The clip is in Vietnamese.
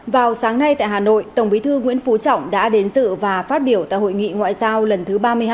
vào sáng nay tại hà nội tổng bí thư nguyễn phú trọng đã đến dự và phát biểu tại hội nghị ngoại giao lần thứ ba mươi hai